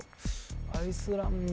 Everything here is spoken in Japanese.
アイスランド。